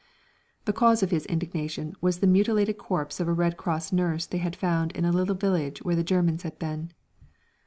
"] The cause of his indignation was the mutilated corpse of a Red Cross nurse they had found in a little village where the Germans had been.